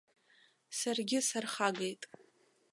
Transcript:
Саргьы сархагеит.